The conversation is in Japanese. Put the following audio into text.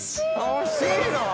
惜しいの？